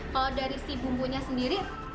kalau dari si bumbunya sendiri sangat banyak